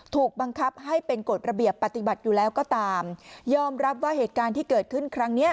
ถูกบังคับให้เป็นกฎระเบียบปฏิบัติอยู่แล้วก็ตามยอมรับว่าเหตุการณ์ที่เกิดขึ้นครั้งเนี้ย